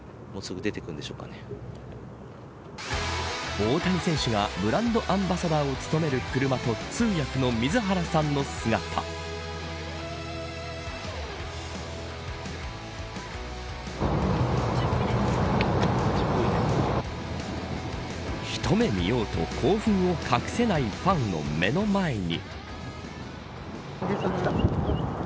大谷選手がブランドアンバサダーを務める車と一目見ようと興奮を隠せないファンの目の前に。